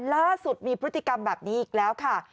ล่าสุดมีพฤติกรรมแบบนี้อีกแล้วค่ะ